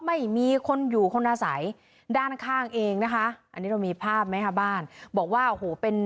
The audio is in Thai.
ไม่มีคนอยู่คนอาศัยด้านข้างเองนะคะอันนี้เรามีภาพไหมคะบ้านบอกว่าโอ้โหเป็น